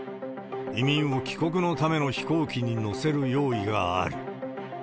移民を帰国のための飛行機に乗せる用意がある。